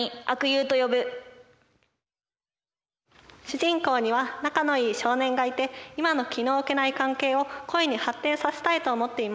主人公には仲のいい少年がいて今の気の置けない関係を恋に発展させたいと思っています。